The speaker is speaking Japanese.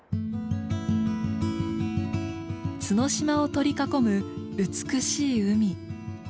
角島を取り囲む美しい海。